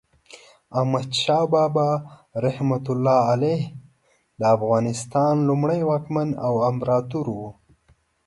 احمد شاه بابا رحمة الله علیه د افغانستان لومړی واکمن او امپراتور و.